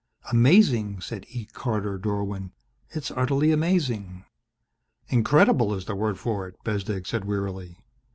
"Amazing!" said E. Carter Dorwin. "It's utterly amazing!" "Incredible is the word for it," Bezdek said wearily.